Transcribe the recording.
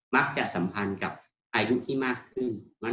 มักจะสัมพันธ์กับอายุที่มากขึ้น